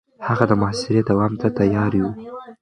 هغه د محاصرې دوام ته تيار و.